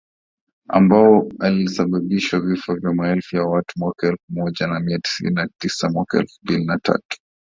ambao ulisababishwa vifo vya maelfu ya watu mwaka elfu moja mia tisa tisini na tisa na mwaka elfu mbili na tatu